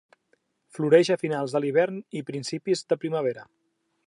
Floreix a finals de l'hivern i principis de primavera.